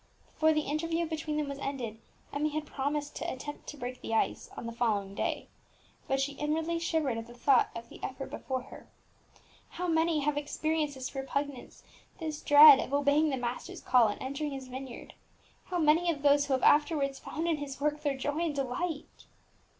Before the interview between them was ended, Emmie had promised to "attempt to break the ice" on the following day; but she inwardly shivered at the thought of the effort before her. How many have experienced this repugnance, this dread of obeying the Master's call and entering His vineyard! how many of those who have afterwards found in His work their joy and delight!